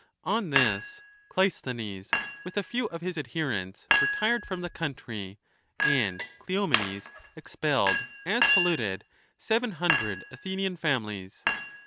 On this, Cleisthenes, with a few of his adherents, retired from the country, and Cleomenes expelled, as polluted, seven hundred Athenian families.